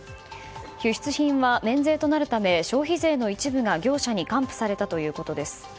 輸出品は免税となるため消費税の一部が業者に還付されたということです。